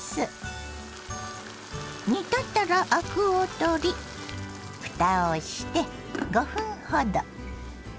煮立ったらアクを取りふたをして５分ほど。